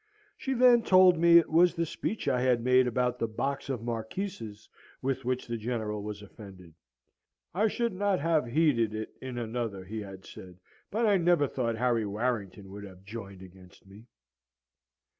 She then told me it was the speech I had made about the box of Marquises, with which the General was offended. 'I should not have heeded it in another,' he had said, 'but I never thought Harry Warrington would have joined against me.'